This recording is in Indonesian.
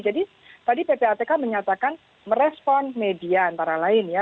jadi tadi ppatk menyatakan merespon media antara lain ya